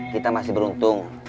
kita masih beruntung